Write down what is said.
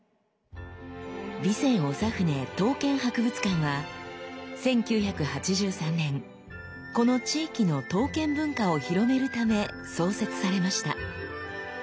備前長船刀剣博物館は１９８３年この地域の刀剣文化を広めるため創設されました。